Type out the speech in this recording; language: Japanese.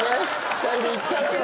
２人で行ったのよ